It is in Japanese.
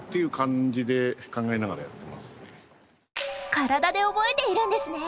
体で覚えているんですね。